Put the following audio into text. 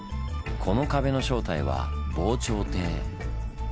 この壁の正体は防潮堤。